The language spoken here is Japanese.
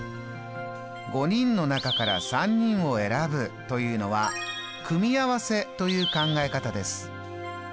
５人の中から３人を選ぶというのは「組み合わせ」という考え方です。